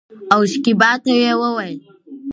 او شکيبا ته يې وويل